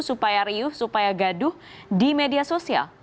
supaya riuh supaya gaduh di media sosial